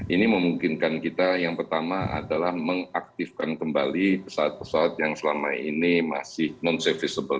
ini memungkinkan kita yang pertama adalah mengaktifkan kembali pesawat pesawat yang selama ini masih non serviceable